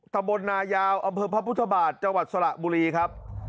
ตะบลนายาวอำเภอพระพุทธบาทจังหวัดสระบุรีครับ